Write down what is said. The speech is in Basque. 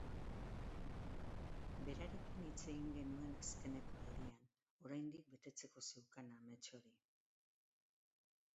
Berarekin hitz egin genuen azkeneko aldian, oraindik betetzeko zeukan amets hori.